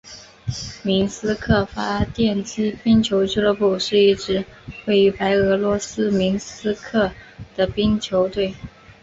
明斯克发电机冰球俱乐部是一支位于白俄罗斯明斯克的冰球队。